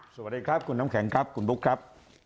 สวัสดีครับคุณน้ำแข็งครับคุณบุ๊คครับ